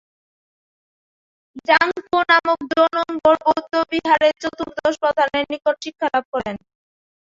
তিনি নামক 'জাম-দ্ব্যাংস-দ্কোন-ম্ছোগ-ব্জাং-পো নামক জো-নম্বর বৌদ্ধবিহারের চতুর্দশ প্রধানের নিকট শিক্ষালাভ করেন।